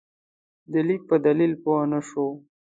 د لیک په دلیل پوه نه شو.